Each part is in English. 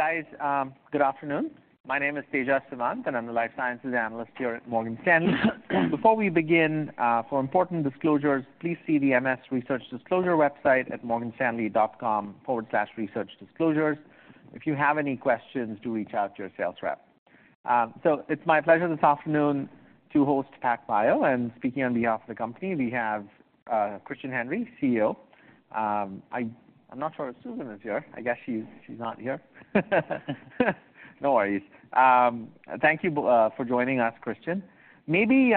Hey, guys. Good afternoon. My name is Tejas Savant, and I'm the life sciences analyst here at Morgan Stanley. Before we begin, for important disclosures, please see the MS Research Disclosure website at morganstanley.com/researchdisclosures. If you have any questions, do reach out to your sales rep. So it's my pleasure this afternoon to host PacBio, and speaking on behalf of the company, we have Christian Henry, CEO. I'm not sure if Susan is here. I guess she's not here. No worries. Thank you for joining us, Christian. Maybe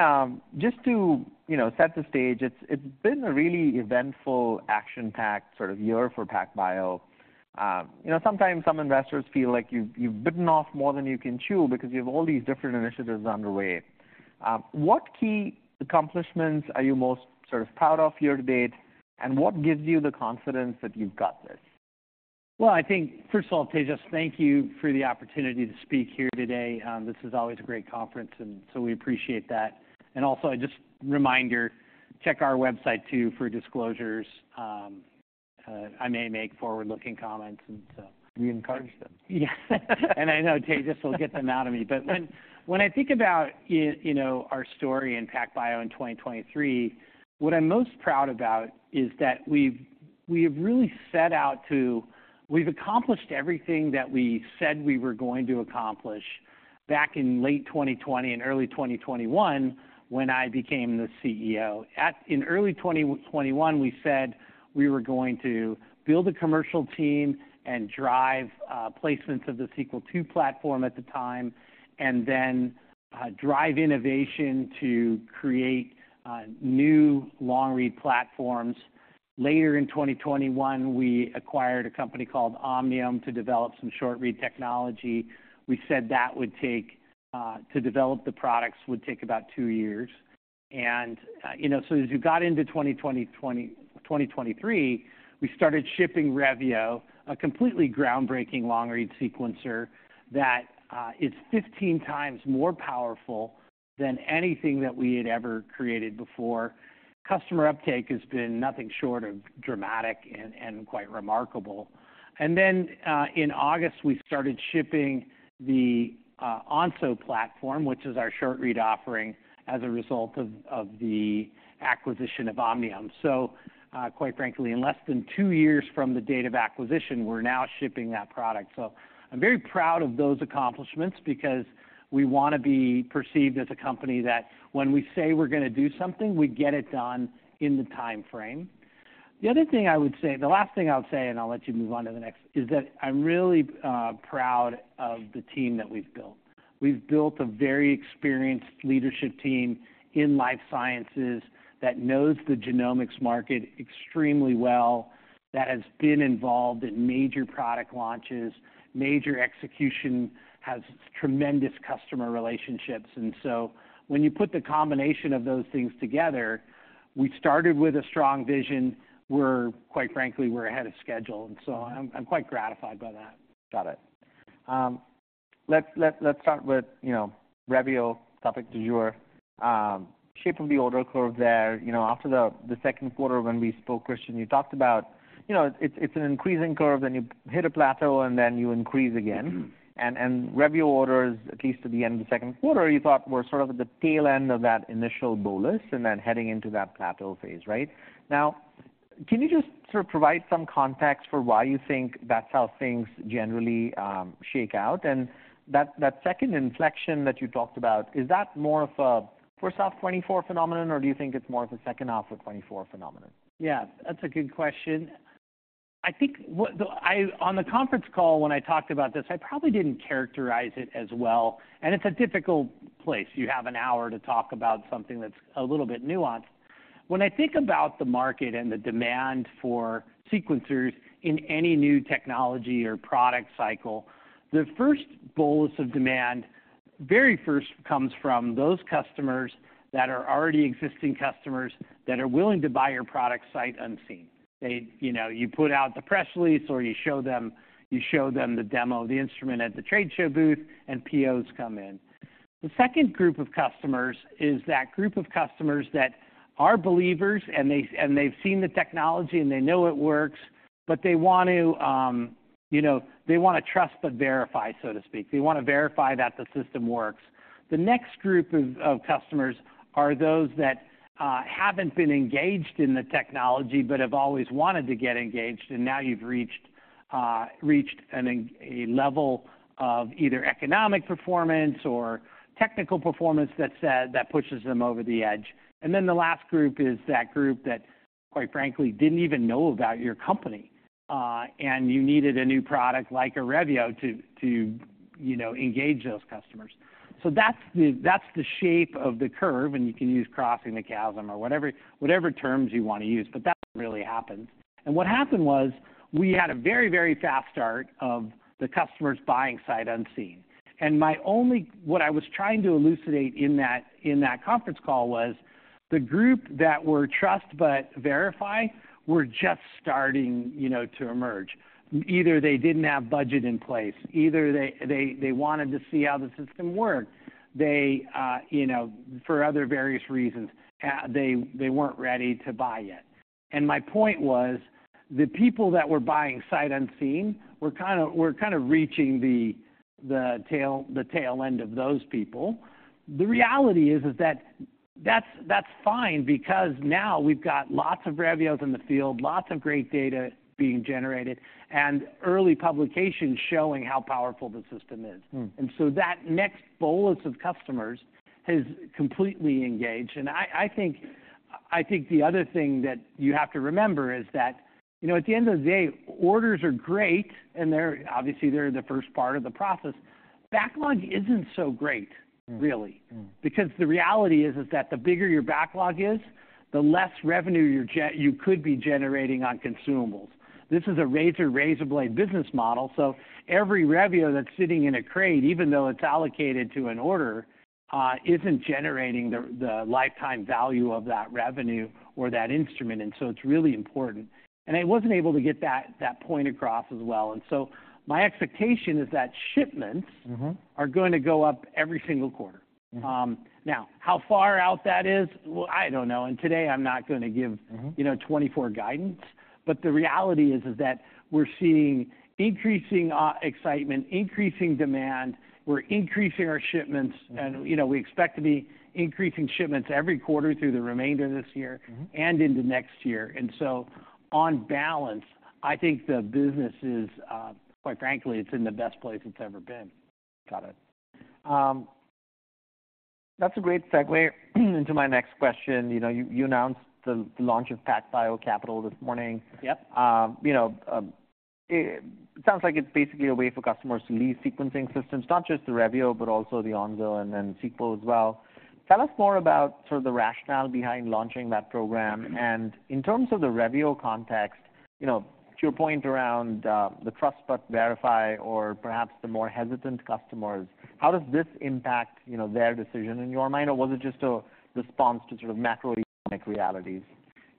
just to, you know, set the stage, it's been a really eventful action-packed sort of year for PacBio. You know, sometimes some investors feel like you've bitten off more than you can chew because you have all these different initiatives underway. What key accomplishments are you most sort of proud of year to date, and what gives you the confidence that you've got this? Well, I think, first of all, Tejas, thank you for the opportunity to speak here today. This is always a great conference, and so we appreciate that. Also, just a reminder, check our website, too, for disclosures. I may make forward-looking comments, and so- We encourage them. Yeah. And I know Tejas will get them out of me. But when I think about you know, our story in PacBio in 2023, what I'm most proud about is that we've really set out to... We've accomplished everything that we said we were going to accomplish back in late 2020 and early 2021, when I became the CEO. In early 2021, we said we were going to build a commercial team and drive placements of the Sequel II platform at the time, and then drive innovation to create new long-read platforms. Later in 2021, we acquired a company called Omniome to develop some short-read technology. We said that would take to develop the products, would take about two years. You know, so as you got into 2020 through 2023, we started shipping Revio, a completely groundbreaking long-read sequencer that is 15 times more powerful than anything that we had ever created before. Customer uptake has been nothing short of dramatic and quite remarkable. And then, in August, we started shipping the Onso platform, which is our short-read offering, as a result of the acquisition of Omniome. So, quite frankly, in less than 2 years from the date of acquisition, we're now shipping that product. So I'm very proud of those accomplishments because we want to be perceived as a company that when we say we're going to do something, we get it done in the time frame. The other thing I would say, the last thing I'll say, and I'll let you move on to the next, is that I'm really proud of the team that we've built. We've built a very experienced leadership team in life sciences that knows the genomics market extremely well, that has been involved in major product launches, major execution, has tremendous customer relationships. And so when you put the combination of those things together, we started with a strong vision. We're, quite frankly, we're ahead of schedule, and so I'm, I'm quite gratified by that. Got it. Let's start with, you know, Revio, topic du jour. Shape of the order curve there, you know, after the second quarter when we spoke, Christian, you talked about, you know, it's an increasing curve, then you hit a plateau, and then you increase again. Mm-hmm. And, and Revio orders, at least at the end of the second quarter, you thought were sort of at the tail end of that initial bolus and then heading into that plateau phase, right? Now, can you just sort of provide some context for why you think that's how things generally shake out? And that, that second inflection that you talked about, is that more of a first-half 2024 phenomenon, or do you think it's more of a second half of 2024 phenomenon? Yeah, that's a good question. I think I, on the conference call, when I talked about this, I probably didn't characterize it as well, and it's a difficult place. You have an hour to talk about something that's a little bit nuanced. When I think about the market and the demand for sequencers in any new technology or product cycle, the first bolus of demand, very first, comes from those customers that are already existing customers that are willing to buy your product sight unseen. They, you know, you put out the press release, or you show them, you show them the demo of the instrument at the trade show booth, and POs come in. The second group of customers is that group of customers that are believers, and they, and they've seen the technology and they know it works, but they want to, you know, they want to trust but verify, so to speak. They want to verify that the system works. The next group of customers are those that haven't been engaged in the technology but have always wanted to get engaged, and now you've reached a level of either economic performance or technical performance that said, that pushes them over the edge. And then the last group is that group that, quite frankly, didn't even know about your company, and you needed a new product like a Revio to, you know, engage those customers. So that's the, that's the shape of the curve, and you can use Crossing the Chasm or whatever, whatever terms you want to use, but that really happens. And what happened was we had a very, very fast start of the customers buying sight unseen. And my only, what I was trying to elucidate in that, in that conference call was the group that were trust but verify were just starting, you know, to emerge. Either they didn't have budget in place, either they, they, they wanted to see how the system worked. They, you know, for other various reasons, they, they weren't ready to buy yet... and my point was, the people that were buying sight unseen, we're kind of, we're kind of reaching the, the tail, the tail end of those people. The reality is that that's fine, because now we've got lots of Revios in the field, lots of great data being generated, and early publications showing how powerful the system is. Mm. And so that next bolus of customers has completely engaged, and I, I think, I think the other thing that you have to remember is that, you know, at the end of the day, orders are great, and they're, obviously, they're the first part of the process. Backlog isn't so great- Mm. - really. Mm. Because the reality is that the bigger your backlog is, the less revenue you're generating you could be on consumables. This is a razor-razor blade business model, so every Revio that's sitting in a crate, even though it's allocated to an order, isn't generating the lifetime value of that revenue or that instrument, and so it's really important. And I wasn't able to get that point across as well, and so my expectation is that shipments- Mm-hmm. are going to go up every single quarter. Mm. Now, how far out that is? Well, I don't know, and today I'm not going to give- Mm-hmm. - you know, 24 guidance, but the reality is, is that we're seeing increasing excitement, increasing demand. We're increasing our shipments- Mm-hmm. and, you know, we expect to be increasing shipments every quarter through the remainder of this year. Mm-hmm. - and into next year. And so on balance, I think the business is, quite frankly, it's in the best place it's ever been. Got it. That's a great segue into my next question. You know, you announced the launch of PacBio Capital this morning. Yep. You know, it sounds like it's basically a way for customers to lease sequencing systems, not just the Revio, but also the Onso and then Sequel as well. Tell us more about sort of the rationale behind launching that program. Mm-hmm. In terms of the Revio context, you know, to your point around, the trust but verify or perhaps the more hesitant customers, how does this impact, you know, their decision in your mind, or was it just a response to sort of macroeconomic realities?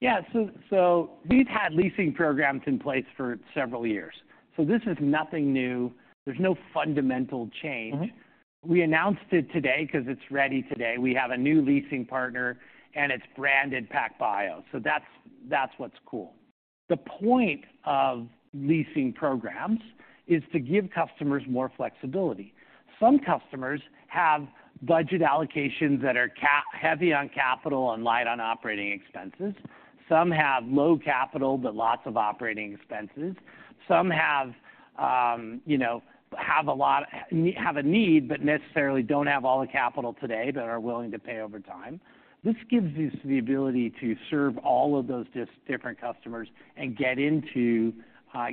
Yeah. So, so we've had leasing programs in place for several years, so this is nothing new. There's no fundamental change. Mm-hmm. We announced it today 'cause it's ready today. We have a new leasing partner, and it's branded PacBio, so that's, that's what's cool. The point of leasing programs is to give customers more flexibility. Some customers have budget allocations that are capital-heavy on capital and light on operating expenses. Some have low capital but lots of operating expenses. Some have, you know, have a lot... have a need, but necessarily don't have all the capital today, but are willing to pay over time. This gives us the ability to serve all of those different customers and get into,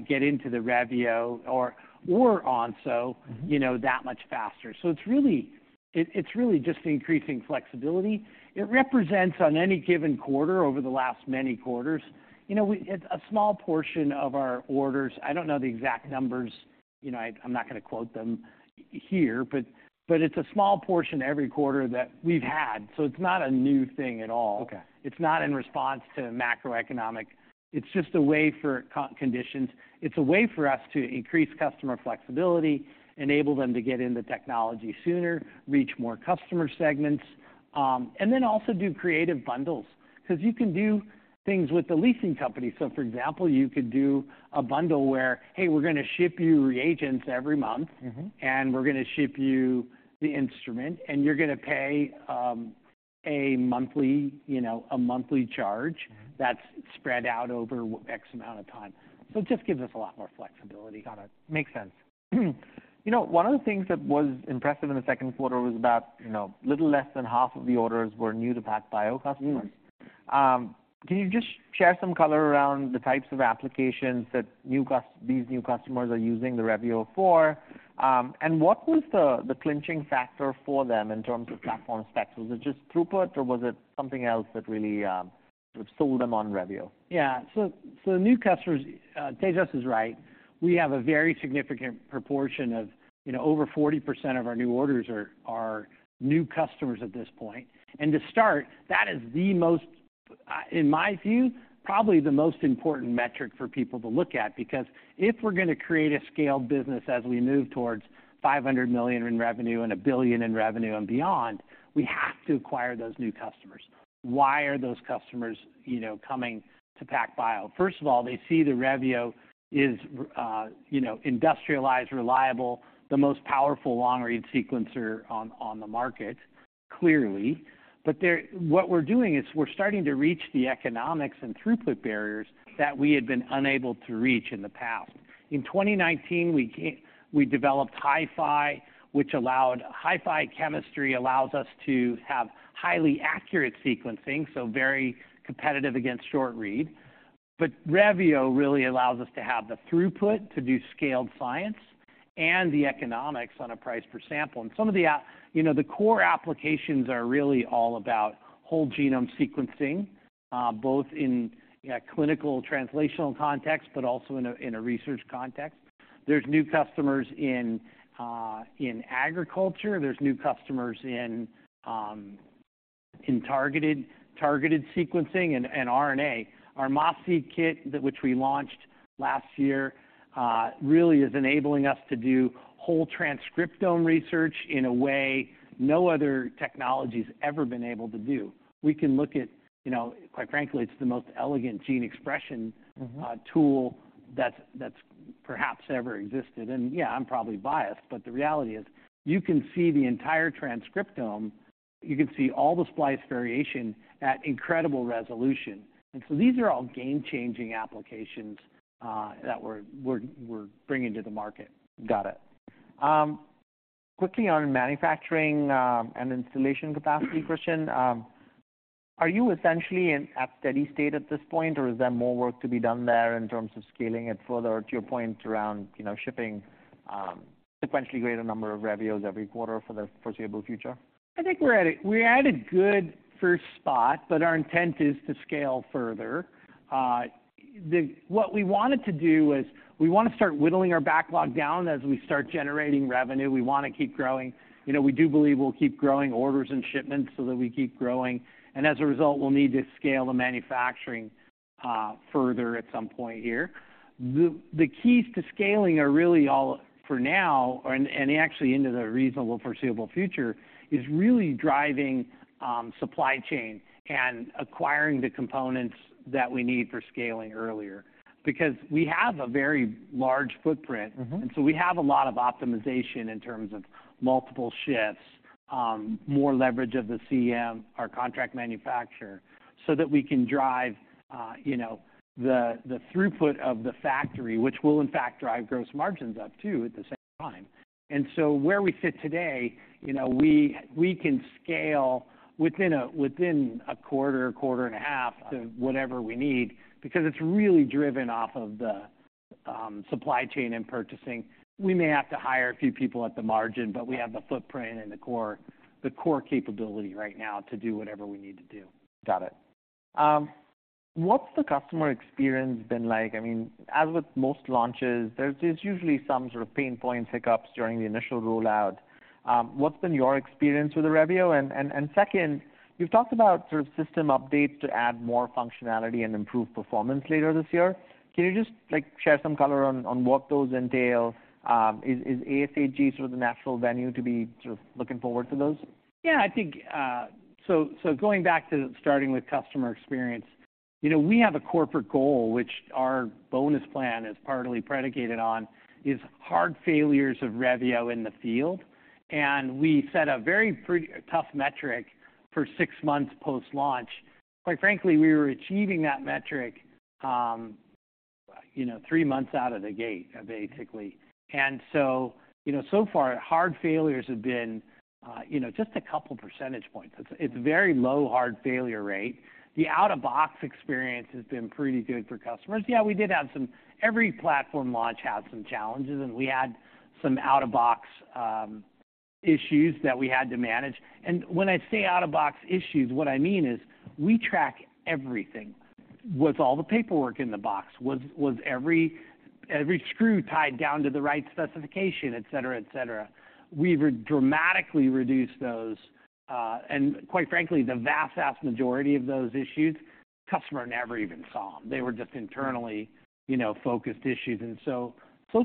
get into the Revio or, or Onso- Mm-hmm You know, that much faster. So it's really just increasing flexibility. It represents, on any given quarter over the last many quarters, you know, it's a small portion of our orders. I don't know the exact numbers, you know, I'm not going to quote them here, but it's a small portion every quarter that we've had, so it's not a new thing at all. Okay. It's not in response to macroeconomic conditions. It's a way for us to increase customer flexibility, enable them to get into technology sooner, reach more customer segments, and then also do creative bundles, 'cause you can do things with the leasing company. So, for example, you could do a bundle where, hey, we're going to ship you reagents every month- Mm-hmm. - and we're going to ship you the instrument, and you're going to pay, a monthly, you know, a monthly charge- Mm-hmm. that's spread out over X amount of time. So it just gives us a lot more flexibility. Got it. Makes sense. You know, one of the things that was impressive in the second quarter was about, you know, little less than half of the orders were new to PacBio customers. Mm. Can you just share some color around the types of applications that these new customers are using the Revio for? And what was the clinching factor for them in terms of platform specs? Was it just throughput, or was it something else that really sort of sold them on Revio? Yeah. So, so new customers, Tejas is right. We have a very significant proportion of, you know, over 40% of our new orders are, are new customers at this point, and to start, that is the most, in my view, probably the most important metric for people to look at, because if we're going to create a scale business as we move towards $500 million in revenue and $1 billion in revenue and beyond, we have to acquire those new customers. Why are those customers, you know, coming to PacBio? First of all, they see the Revio is, you know, industrialized, reliable, the most powerful long-read sequencer on, on the market, clearly. But they're, what we're doing is we're starting to reach the economics and throughput barriers that we had been unable to reach in the past. In 2019, we developed HiFi. HiFi chemistry allows us to have highly accurate sequencing, so very competitive against short read. But Revio really allows us to have the throughput to do scaled science and the economics on a price per sample. And some of the, you know, core applications are really all about whole genome sequencing, both in a clinical translational context, but also in a research context. There's new customers in agriculture, there's new customers in targeted sequencing and RNA. Our MAS-Seq kit, which we launched last year, really is enabling us to do whole transcriptome research in a way no other technology's ever been able to do. We can look at, you know, quite frankly, it's the most elegant gene expression- Mm-hmm... tool that's perhaps ever existed. And yeah, I'm probably biased, but the reality is, you can see the entire transcriptome, you can see all the splice variation at incredible resolution. And so these are all game-changing applications that we're bringing to the market. Got it. Quickly on manufacturing, and installation capacity, Christian, are you essentially in at steady state at this point, or is there more work to be done there in terms of scaling it further, to your point, around, you know, shipping sequentially greater number of Revios every quarter for the foreseeable future? I think we're at a good first spot, but our intent is to scale further. What we wanted to do is, we wanna start whittling our backlog down as we start generating revenue. We wanna keep growing. You know, we do believe we'll keep growing orders and shipments so that we keep growing, and as a result, we'll need to scale the manufacturing further at some point here. The keys to scaling are really all for now, and actually into the reasonable foreseeable future, is really driving supply chain and acquiring the components that we need for scaling earlier. Because we have a very large footprint- Mm-hmm. - and so we have a lot of optimization in terms of multiple shifts, more leverage of the CM, our contract manufacturer, so that we can drive, you know, the throughput of the factory, which will in fact drive gross margins up too, at the same time. And so where we sit today, you know, we can scale within a quarter, quarter and a half to whatever we need, because it's really driven off of the supply chain and purchasing. We may have to hire a few people at the margin- Yeah. but we have the footprint and the core, the core capability right now to do whatever we need to do. Got it. What's the customer experience been like? I mean, as with most launches, there's usually some sort of pain point hiccups during the initial rollout. What's been your experience with the Revio? And second, you've talked about sort of system updates to add more functionality and improve performance later this year. Can you just, like, share some color on what those entail? Is ASHG sort of the natural venue to be sort of looking forward to those? Yeah, I think... So, going back to starting with customer experience, you know, we have a corporate goal, which our bonus plan is partly predicated on, is hard failures of Revio in the field. And we set a very pretty tough metric for six months post-launch. Quite frankly, we were achieving that metric, you know, three months out of the gate, basically. And so, you know, so far, hard failures have been, you know, just a couple percentage points. It's very low hard failure rate. The out-of-box experience has been pretty good for customers. Yeah, we did have some. Every platform launch had some challenges, and we had some out-of-box issues that we had to manage. And when I say out-of-box issues, what I mean is, we track everything. Was all the paperwork in the box? Was every screw tied down to the right specification, et cetera, et cetera? We've dramatically reduced those, and quite frankly, the vast majority of those issues, customer never even saw them. They were just internally, you know, focused issues. So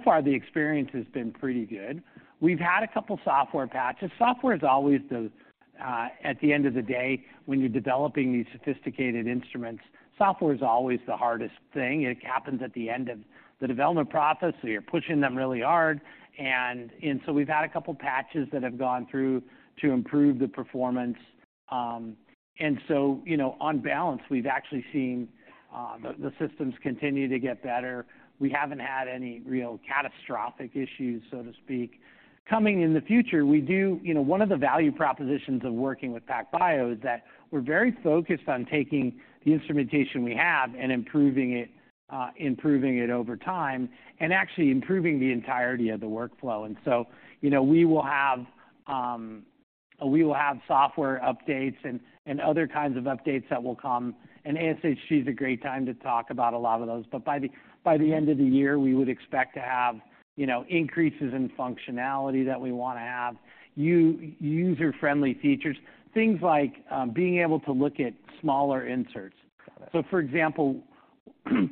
far, the experience has been pretty good. We've had a couple software patches. Software is always the hardest thing at the end of the day, when you're developing these sophisticated instruments. It happens at the end of the development process, so you're pushing them really hard. And so we've had a couple patches that have gone through to improve the performance. And so, you know, on balance, we've actually seen the systems continue to get better. We haven't had any real catastrophic issues, so to speak. Coming in the future, we do... You know, one of the value propositions of working with PacBio is that we're very focused on taking the instrumentation we have and improving it, improving it over time, and actually improving the entirety of the workflow. And so, you know, we will have software updates and other kinds of updates that will come, and ASHG is a great time to talk about a lot of those. But by the end of the year, we would expect to have, you know, increases in functionality that we wanna have, user-friendly features, things like being able to look at smaller inserts. Got it. So, for example,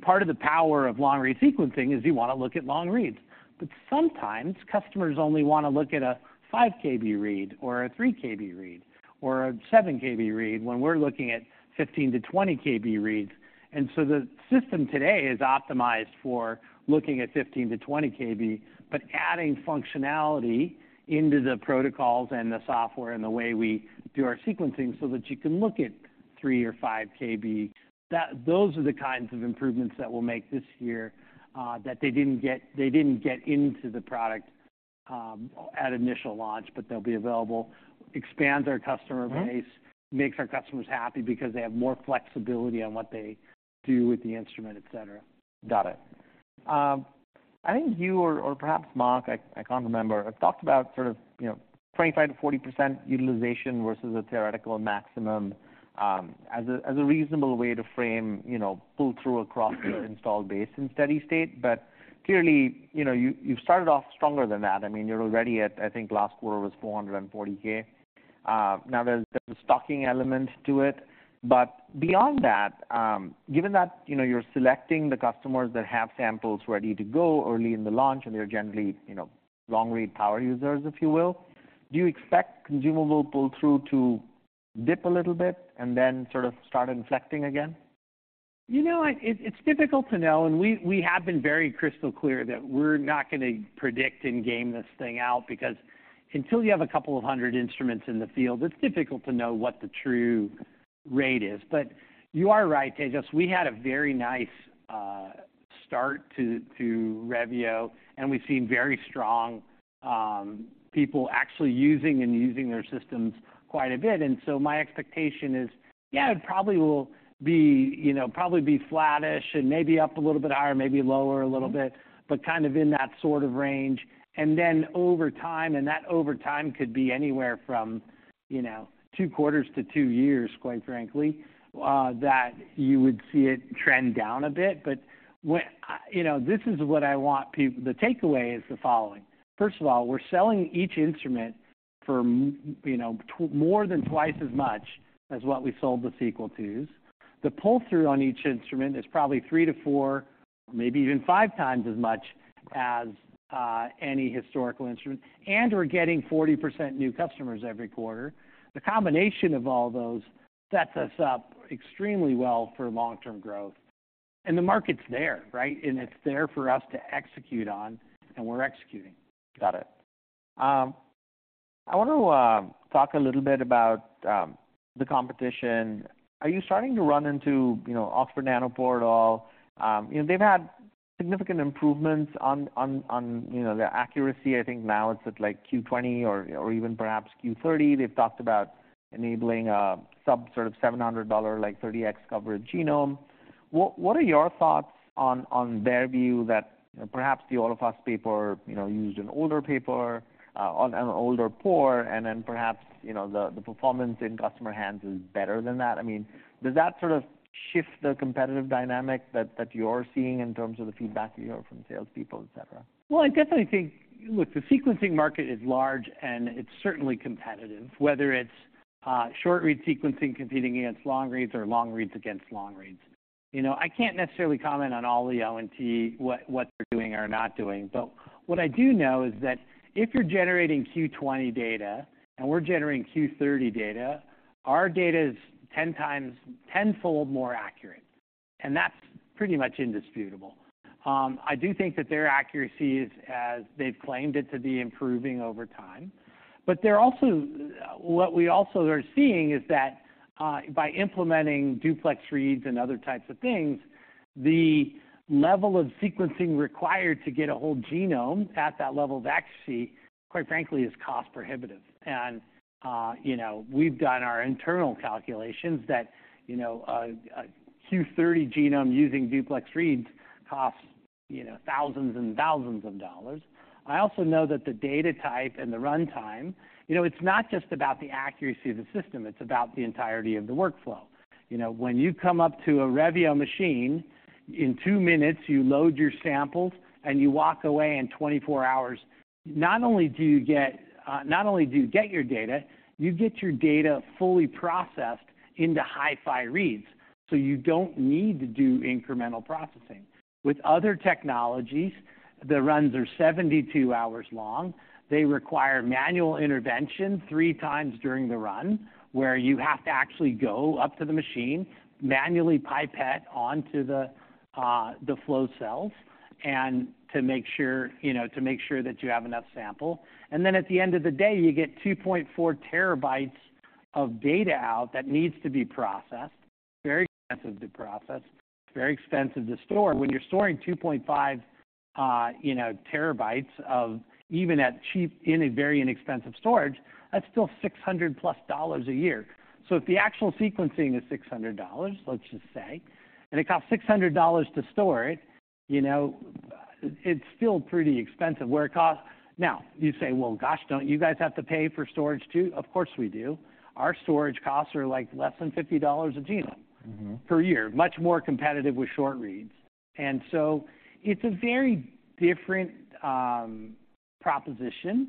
part of the power of long-read sequencing is you wanna look at long reads. But sometimes customers only wanna look at a 5 kb read or a 3 kb read, or a 7 kb read, when we're looking at 15-20 kb reads. And so the system today is optimized for looking at 15-20 kb, but adding functionality into the protocols and the software and the way we do our sequencing so that you can look at 3 or 5 kb, that, those are the kinds of improvements that we'll make this year, that they didn't get, they didn't get into the product, at initial launch, but they'll be available. Expand our customer base- Mm-hmm. makes our customers happy because they have more flexibility on what they do with the instrument, et cetera. Got it. I think you or perhaps Mark, I can't remember, have talked about sort of, you know, 25%-40% utilization versus a theoretical maximum, as a reasonable way to frame, you know, pull through across- Mm-hmm... the installed base in steady state. But clearly, you know, you, you've started off stronger than that. I mean, you're already at, I think, last quarter was $440K. Now, there's the stocking element to it. But beyond that, given that, you know, you're selecting the customers that have samples ready to go early in the launch, and they're generally, you know, long-read power users, if you will, do you expect consumable pull-through to... dip a little bit and then sort of start inflecting again? You know what? It's difficult to know, and we have been very crystal clear that we're not gonna predict and game this thing out, because until you have a couple of hundred instruments in the field, it's difficult to know what the true rate is. But you are right, Tejas, we had a very nice start to Revio, and we've seen very strong people actually using and using their systems quite a bit. And so my expectation is, yeah, it probably will be, you know, probably be flattish and maybe up a little bit higher, maybe lower a little bit, but kind of in that sort of range. And then over time, and that over time could be anywhere from, you know, two quarters to two years, quite frankly, that you would see it trend down a bit. But when, you know, this is what I want people-- the takeaway is the following: First of all, we're selling each instrument for more than twice as much as what we sold the Sequel II's. The pull-through on each instrument is probably 3-4, maybe even five times as much as any historical instrument, and we're getting 40% new customers every quarter. The combination of all those sets us up extremely well for long-term growth. And the market's there, right? And it's there for us to execute on, and we're executing. Got it. I want to talk a little bit about the competition. Are you starting to run into, you know, Oxford Nanopore at all? You know, they've had significant improvements on the accuracy. I think now it's at, like, Q20 or even perhaps Q30. They've talked about enabling some sort of $700, like, 30x coverage genome. What are your thoughts on their view that perhaps the All of Us paper, you know, used an older paper on an older pore, and then perhaps, you know, the performance in customer hands is better than that? I mean, does that sort of shift the competitive dynamic that you're seeing in terms of the feedback you hear from salespeople, et cetera? Well, I definitely think... Look, the sequencing market is large, and it's certainly competitive, whether it's short-read sequencing competing against long reads or long reads against long reads. You know, I can't necessarily comment on all the ONT, what, what they're doing or not doing, but what I do know is that if you're generating Q20 data, and we're generating Q30 data, our data is 10 times, tenfold more accurate, and that's pretty much indisputable. I do think that their accuracy is, as they've claimed it to be, improving over time. But they're also... what we also are seeing is that by implementing duplex reads and other types of things, the level of sequencing required to get a whole genome at that level of accuracy, quite frankly, is cost prohibitive. You know, we've done our internal calculations that, you know, a Q30 genome using duplex reads costs, you know, thousands and thousands of dollars. I also know that the data type and the runtime, you know, it's not just about the accuracy of the system, it's about the entirety of the workflow. You know, when you come up to a Revio machine, in 2 minutes, you load your samples, and you walk away in 24 hours. Not only do you get your data, you get your data fully processed into HiFi reads, so you don't need to do incremental processing. With other technologies, the runs are 72 hours long. They require manual intervention three times during the run, where you have to actually go up to the machine, manually pipette onto the flow cells and to make sure, you know, to make sure that you have enough sample. And then, at the end of the day, you get 2.4 TB of data out that needs to be processed, very expensive to process, very expensive to store. When you're storing 2.5, you know, TB of even at cheap, in a very inexpensive storage, that's still $600+ a year. So if the actual sequencing is $600, let's just say, and it costs $600 to store it, you know, it's still pretty expensive, where it costs... Now, you say, "Well, gosh, don't you guys have to pay for storage, too?" Of course, we do. Our storage costs are, like, less than $50 a genome- Mm-hmm. per year, much more competitive with short reads. And so it's a very different proposition.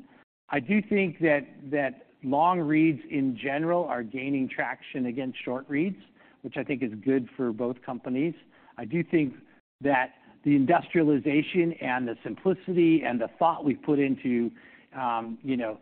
I do think that long reads in general are gaining traction against short reads, which I think is good for both companies. I do think that the industrialization and the simplicity and the thought we've put into, you know,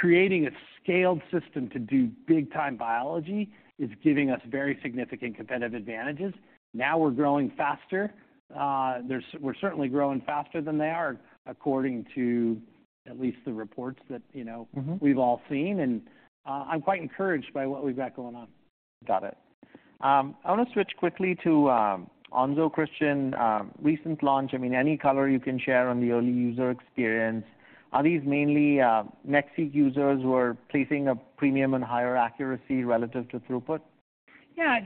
creating a scaled system to do big time biology is giving us very significant competitive advantages. Now, we're growing faster. We're certainly growing faster than they are, according to at least the reports that, you know- Mm-hmm... we've all seen, and I'm quite encouraged by what we've got going on. Got it. I want to switch quickly to Onso, Christian, recent launch. I mean, any color you can share on the early user experience, are these mainly NextSeq users who are placing a premium on higher accuracy relative to throughput? Yeah,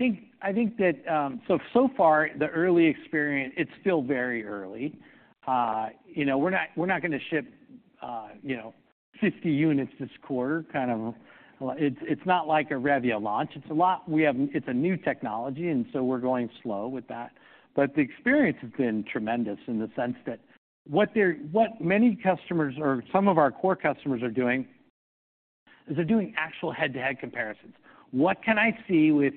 I think that so far, the early experience, it's still very early. You know, we're not gonna ship you know 50 units this quarter. Kind of, it's not like a Revio launch. It's a lot - we have - it's a new technology, and so we're going slow with that. But the experience has been tremendous in the sense that what many customers or some of our core customers are doing is they're doing actual head-to-head comparisons. What can I see with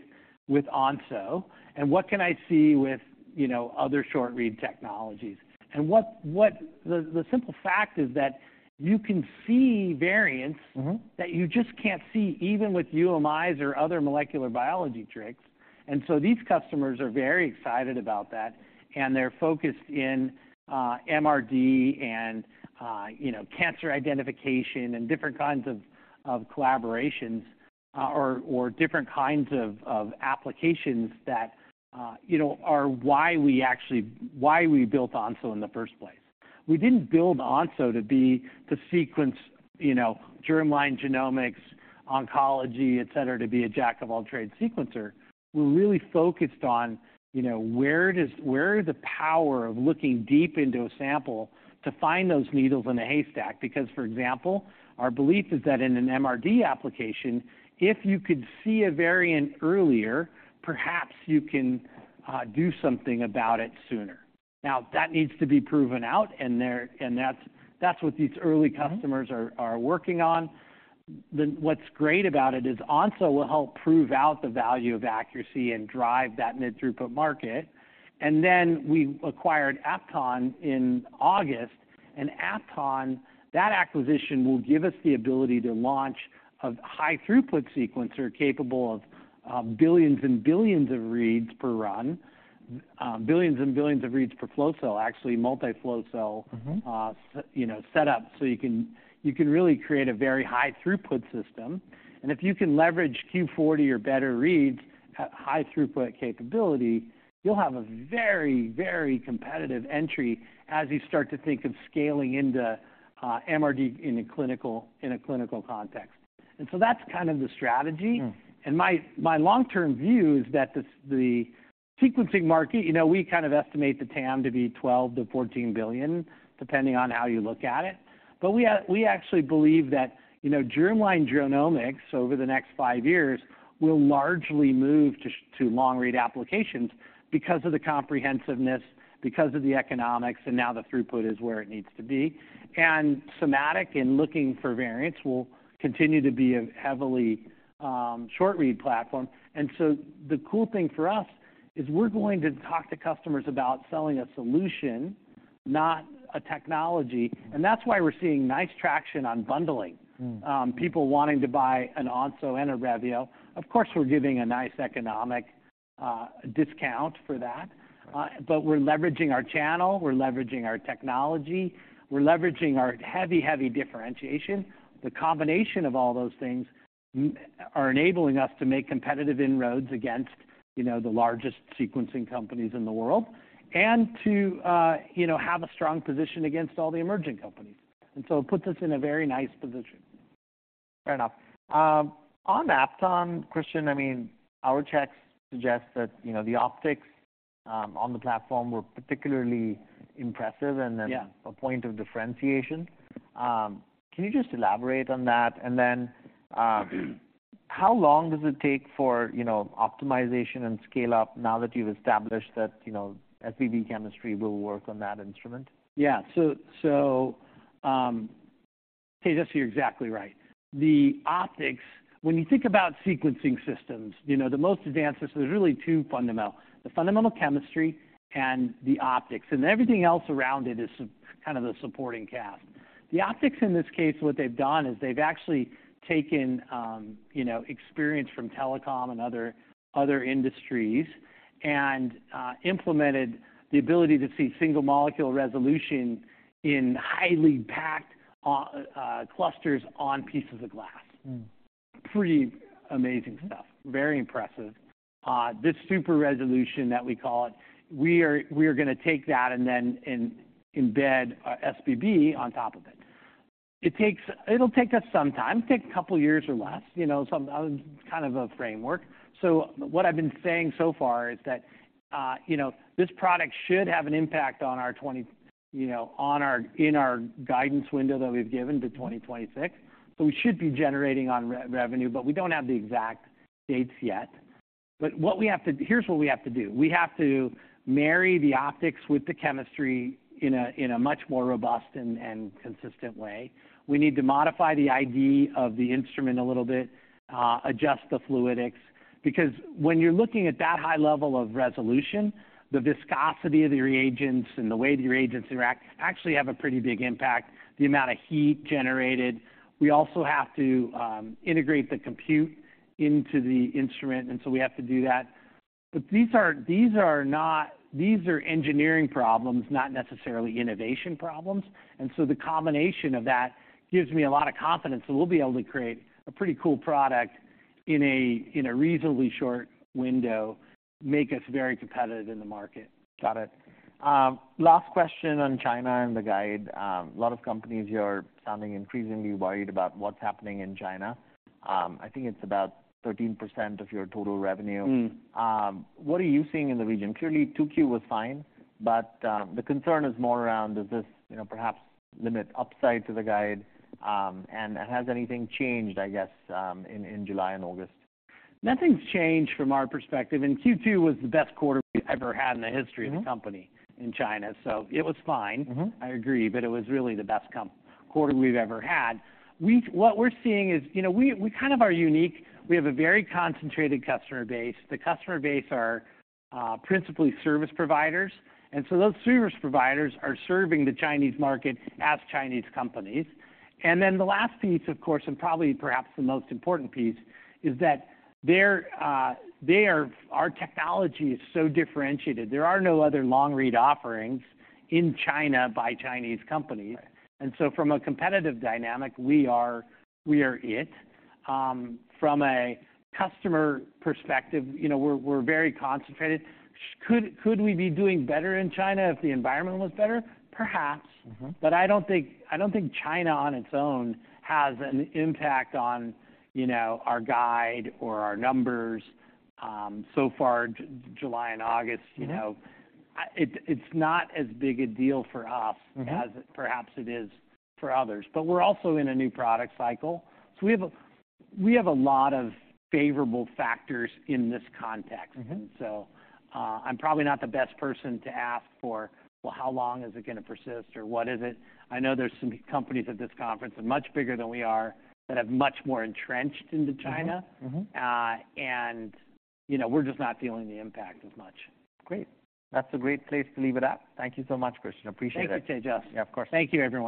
Onso, and what can I see with you know other short-read technologies? And what the simple fact is that you can see variants - Mm-hmm. that you just can't see, even with UMIs or other molecular biology tricks. And so these customers are very excited about that, and they're focused in, MRD and, you know, cancer identification and different kinds of, of collaborations, or, or different kinds of, of applications that, you know, are why we actually, why we built Onso in the first place. We didn't build Onso to be the sequence, you know, germline genomics, oncology, et cetera, to be a jack-of-all-trades sequencer. We're really focused on, you know, where does, where is the power of looking deep into a sample to find those needles in a haystack? Because, for example, our belief is that in an MRD application, if you could see a variant earlier, perhaps you can, do something about it sooner. Now, that needs to be proven out, and that's what these early customers- Mm. are working on. Then what's great about it is Onso will help prove out the value of accuracy and drive that mid-throughput market. And then we acquired Apton in August, and Apton, that acquisition will give us the ability to launch a high-throughput sequencer capable of billions and billions of reads per run, billions and billions of reads per flow cell, actually, multi-flow cell- Mm-hmm.... you know, set up. So you can, you can really create a very high-throughput system, and if you can leverage Q40 or better reads at high throughput capability, you'll have a very, very competitive entry as you start to think of scaling into, MRD in a clinical, in a clinical context. And so that's kind of the strategy. Mm. And my long-term view is that this, the sequencing market, you know, we kind of estimate the TAM to be $12 billion-$14 billion, depending on how you look at it. But we actually believe that, you know, germline genomics, over the next five years, will largely move to long-read applications because of the comprehensiveness, because of the economics, and now the throughput is where it needs to be. And somatic and looking for variants will continue to be a heavily short-read platform. And so the cool thing for us is, we're going to talk to customers about selling a solution, not a technology. Mm. That's why we're seeing nice traction on bundling. Mm. People wanting to buy an Onso and a Revio. Of course, we're giving a nice economic discount for that, but we're leveraging our channel, we're leveraging our technology, we're leveraging our heavy, heavy differentiation. The combination of all those things are enabling us to make competitive inroads against, you know, the largest sequencing companies in the world, and to, you know, have a strong position against all the emerging companies. And so it puts us in a very nice position. Fair enough. On Apton, Christian, I mean, our checks suggest that, you know, the optics on the platform were particularly impressive- Yeah. And then a point of differentiation. Can you just elaborate on that? And then, how long does it take for, you know, optimization and scale-up now that you've established that, you know, SBB chemistry will work on that instrument? Yeah. So, Tejas, you're exactly right. The optics... When you think about sequencing systems, you know, the most advanced systems, there's really two fundamental: the fundamental chemistry and the optics, and everything else around it is kind of the supporting cast. The optics, in this case, what they've done is they've actually taken, you know, experience from telecom and other industries and implemented the ability to see single-molecule resolution in highly packed on clusters on pieces of glass. Mm. Pretty amazing stuff. Mm-hmm. Very impressive. This Super-Res, that we call it, we are gonna take that and then embed SBB on top of it. It'll take us some time, take a couple years or less, you know, some kind of a framework. So what I've been saying so far is that, you know, this product should have an impact on our 2026, you know, on our—in our guidance window that we've given to 2026. So we should be generating revenue, but we don't have the exact dates yet. But what we have to—here's what we have to do. We have to marry the optics with the chemistry in a much more robust and consistent way. We need to modify the ID of the instrument a little bit, adjust the fluidics, because when you're looking at that high level of resolution, the viscosity of the reagents and the way the reagents interact actually have a pretty big impact, the amount of heat generated. We also have to integrate the compute into the instrument, and so we have to do that. But these are engineering problems, not necessarily innovation problems, and so the combination of that gives me a lot of confidence that we'll be able to create a pretty cool product in a reasonably short window, make us very competitive in the market. Got it. Last question on China and the guide. A lot of companies here are sounding increasingly worried about what's happening in China. I think it's about 13% of your total revenue. Mm. What are you seeing in the region? Clearly, 2Q was fine, but the concern is more around, does this, you know, perhaps limit upside to the guide? And has anything changed, I guess, in July and August? Nothing's changed from our perspective, and Q2 was the best quarter we've ever had in the history- Mm... of the company in China. So it was fine. Mm-hmm. I agree, but it was really the best quarter we've ever had. What we're seeing is, you know, we kind of are unique. We have a very concentrated customer base. The customer base are principally service providers, and so those service providers are serving the Chinese market as Chinese companies. And then the last piece, of course, and probably perhaps the most important piece, is that there, there, our technology is so differentiated. There are no other long-read offerings in China by Chinese companies. Right. So from a competitive dynamic, we are, we are it. From a customer perspective, you know, we're, we're very concentrated. Could, could we be doing better in China if the environment was better? Perhaps. Mm-hmm. But I don't think, I don't think China on its own has an impact on, you know, our guide or our numbers. So far, July and August, you know- Mm-hmm... it's not as big a deal for us- Mm-hmm... as perhaps it is for others. But we're also in a new product cycle, so we have a lot of favorable factors in this context. Mm-hmm. So, I'm probably not the best person to ask for, "Well, how long is it gonna persist," or, "What is it?" I know there's some companies at this conference, and much bigger than we are, that have much more entrenched into China. Mm-hmm. Mm-hmm. You know, we're just not feeling the impact as much. Great. That's a great place to leave it at. Thank you so much, Christian. Appreciate it. Thank you, Tejas. Yeah, of course. Thank you, everyone.